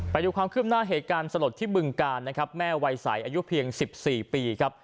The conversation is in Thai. ไปดูความขึ้นหน้าเหตุการณ์สลดที่บึงกาลนะครับแม่วัยใสอายุเพียง๑๔ปีครับ